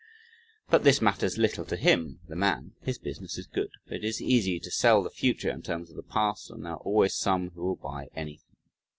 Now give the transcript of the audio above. But this matters little to him (the man) his business is good for it is easy to sell the future in terms of the past and there are always some who will buy anything.